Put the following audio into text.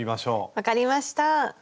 分かりました。